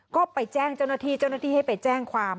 ก็ไปแจ้งเจ้าหน้าที่เจ้าหน้าที่ให้ไปแจ้งความ